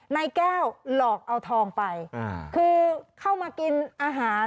นายแก้วหลอกเอาทองไปคือเข้ามากินอาหาร